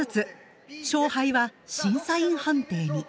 勝敗は審査員判定に。